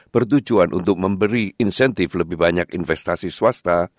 bertujuan untuk memberi insentif lebih banyak investasi swasta